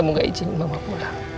kamu tidak izinkan mama pulang